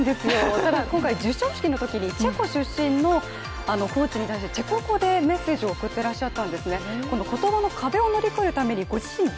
ただ、今回授賞式のときにチェコ出身のコーチに対してチェコ語でメッセージを形変わった。